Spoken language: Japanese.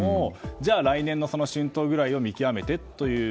じゃあ、来年の春闘ぐらいを見極めてという。